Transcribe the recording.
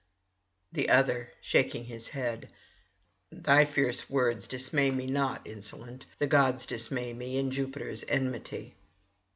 The other, shaking his head: 'Thy fierce words dismay me not, insolent! the gods dismay me, and Jupiter's enmity.'